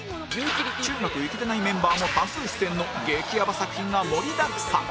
中学イケてないメンバーも多数出演の激やば作品が盛りだくさん